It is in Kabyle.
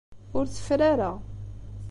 Ur tefri ara.